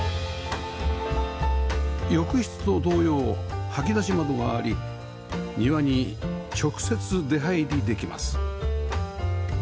浴室と同様掃き出し窓があり庭に直接出入りできます